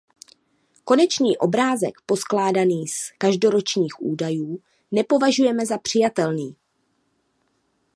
Konečný obrázek poskládaný z každoročních údajů nepovažujeme za přijatelný.